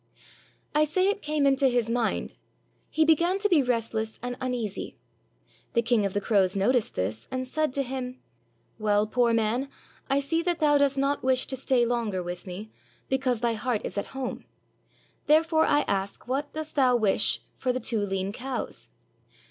I say it came into his 390 THE KING OF THE CROWS mind; he began to be restless and uneasy. The King of the Crows noticed this, and said to him: "Well, poor man, I see that thou dost not wish to stay longer with me, because thy heart is at home, therefore I ask what dost thou wish for the two lean cows?